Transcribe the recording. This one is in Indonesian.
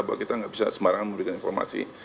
bahwa kita nggak bisa sembarangan memberikan informasi